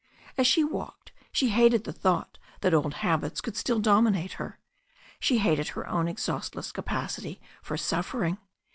As she walked, she hated the thought that old habits could still dominate her. She hated her own exhaustless capacity for suffering.